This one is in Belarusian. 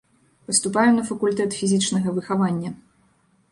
Паступаю на факультэт фізічнага выхавання.